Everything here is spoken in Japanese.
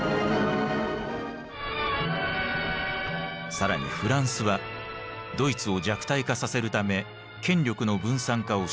更にフランスはドイツを弱体化させるため権力の分散化を主張。